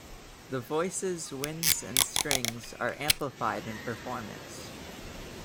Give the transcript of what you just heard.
The voices, winds and strings are amplified in performance.